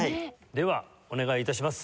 ではお願い致します。